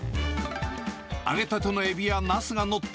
揚げたてのエビやナスが載った